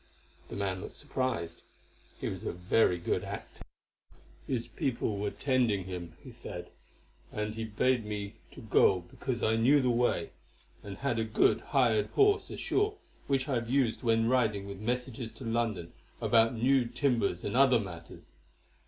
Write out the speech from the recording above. The man looked surprised; he was a very good actor. "His people were tending him," he said, "and he bade me to go because I knew the way, and had a good, hired horse ashore which I have used when riding with messages to London about new timbers and other matters.